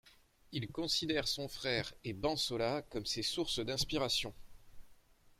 Il considère son frère et Bence Olah comme ses sources d'inspiration.